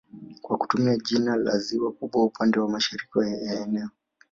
kwa kutumia jina la ziwa kubwa upande wa mashariki ya eneo